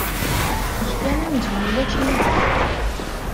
Eg kan amzun ulac Yidir.